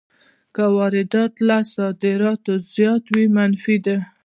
که واردات یې له صادراتو زیات وي منفي ده